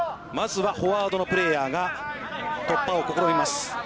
まずはフォワードのプレーヤーが突破を試みます。